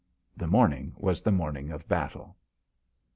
The morning was the morning of battle.